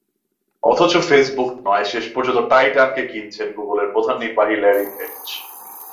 অথচ ফেসবুক নয়, শেষ পর্যন্ত টাইটানকে কিনছেন গুগলের প্রধান নির্বাহী ল্যারি পেজ।